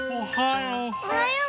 おはよう。